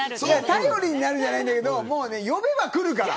頼りになるじゃないんだけど呼べば来るから。